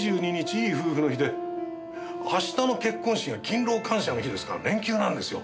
いい夫婦の日で明日の結婚式が勤労感謝の日ですから連休なんですよ。